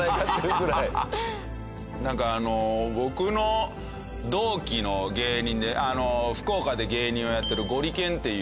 なんかあの僕の同期の芸人で福岡で芸人をやってるゴリけんっていう。